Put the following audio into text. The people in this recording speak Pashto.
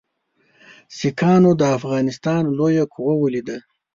سیکهانو د افغانانو لویه قوه ولیده.